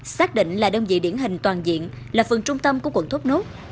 xác định là đơn vị điển hình toàn diện là phường trung tâm của quận thốt nốt